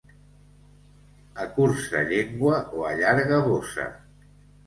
Acurça llengua o allarga bossa.